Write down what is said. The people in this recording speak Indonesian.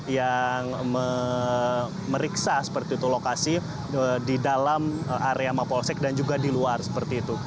yang memeriksa seperti itu lokasi di dalam area mapolsek dan juga di luar seperti itu